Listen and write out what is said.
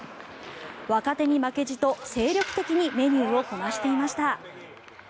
若手に負けじと精力的にメニューをこなしていました。